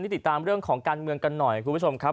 ติดตามเรื่องของการเมืองกันหน่อยคุณผู้ชมครับ